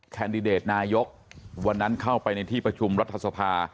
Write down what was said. แคนดิเดตนายกวันนั้นเข้าไปในที่ประชุมรัฐสภา